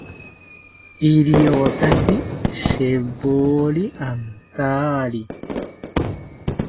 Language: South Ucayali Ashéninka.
Iriotaki shewori antari